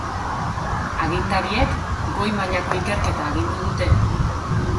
Agintariek goi mailako ikerketa agindu dute.